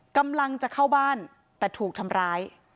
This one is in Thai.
กำลังจะเข้าบ้านแต่ถูกทำร้าย